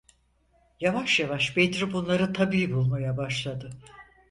Yavaş yavaş Bedri bunları tabii bulmaya başladı.